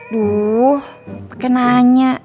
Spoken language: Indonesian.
duh pake nanya